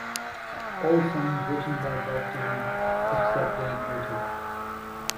All songs written by Bob Dylan, except where noted.